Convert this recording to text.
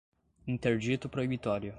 Interdito Proibitório